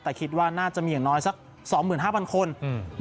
แต่คิดว่าน่าจะมีอย่างน้อยสักสองหมื่นห้าพันคนอืม